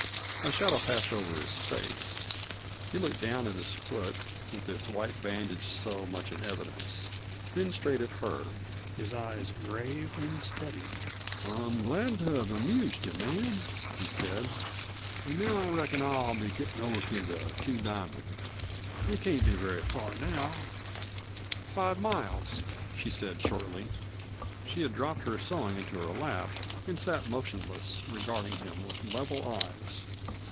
A shadow passed over his face; he looked down at his foot, with its white bandage so much in evidence. Then straight at her, his eyes grave and steady. "I'm glad to have amused you, ma'am," he said. "An' now I reckon I'll be gettin' over to the Two Diamond. It can't be very far now." "Five miles," she said shortly. She had dropped her sewing into her lap and sat motionless, regarding him with level eyes.